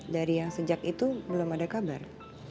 dari yang sejak itu belum ada kabar